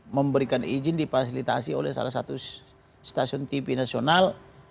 memberikan izin dipasilitasi oleh salah satu stasiun tv nasional